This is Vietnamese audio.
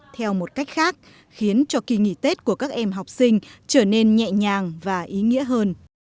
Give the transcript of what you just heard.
theo một cách khác khiến cho kỳ nghỉ tết của các em học sinh trở nên nhẹ nhàng và ý nghĩa hơn